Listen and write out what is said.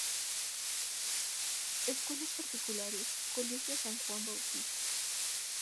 Escuelas Particulares: Colegio San Juan Bautista